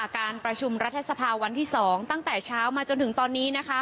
การประชุมรัฐสภาวันที่๒ตั้งแต่เช้ามาจนถึงตอนนี้